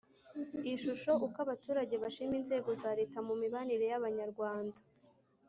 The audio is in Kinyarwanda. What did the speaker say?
Ishusho Uko abaturage bashima inzego za Leta mu mibanire y abanyarwanda